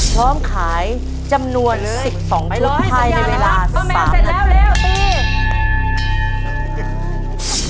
พร้อมขายจำนวน๑๒ชุดไทยในเวลา๑๓นาที